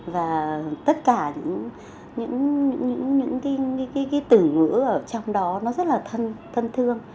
và tất cả những cái tử ngữ ở trong đó nó rất là thân thương